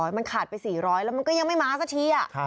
มันขาดไป๔๐๐แล้วมันก็ยังไม่มาสักที